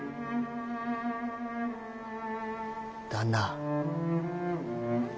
旦那。